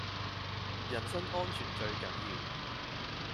人身安全最緊要